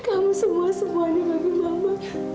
kamu semua semua ini bagi mama